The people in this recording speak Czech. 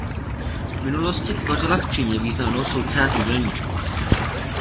V minulosti tvořila v Číně významnou součást jídelníčku.